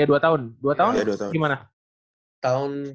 eh dua tahun ya dua tahun gimana